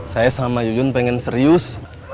saya sama yuyun pengen serius